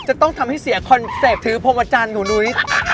จะต้องทำให้เสียคอนเซปถือพรมอาจารย์หนูนุ้ย